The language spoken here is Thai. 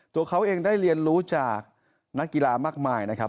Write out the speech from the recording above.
ตัวเขาเองได้เรียนรู้จากนักกีฬามากมายนะครับ